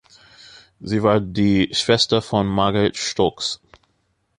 Sie war die Schwester von Margaret Stocks.